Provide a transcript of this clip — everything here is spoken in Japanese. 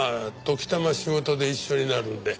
時たま仕事で一緒になるんで。